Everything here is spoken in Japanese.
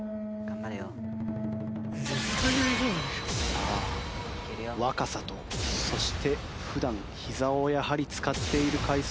さあ若さとそして普段ひざをやはり使っている回数